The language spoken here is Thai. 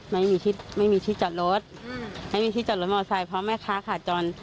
ไม่มีที่ไม่มีที่จอดรถไม่มีที่จอดรถมอไซค์เพราะแม่ค้าขาจร